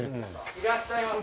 いらっしゃいませ。